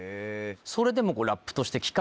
それでも。